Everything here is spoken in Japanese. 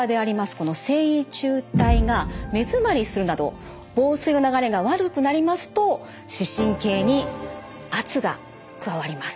この線維柱帯が目づまりするなど房水の流れが悪くなりますと視神経に圧が加わります。